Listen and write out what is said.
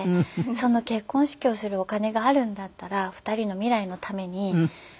「その結婚式をするお金があるんだったら２人の未来のために使えばいいのに」。